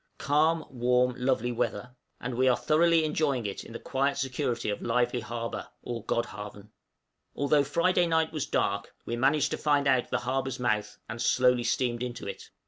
_ Calm, warm, lovely, weather; and we are thoroughly enjoying it in the quiet security of Lievely harbor, or Godhavn. Although Friday night was dark, we managed to find out the harbor's mouth, and slowly steamed into it.